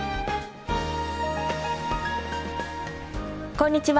こんにちは。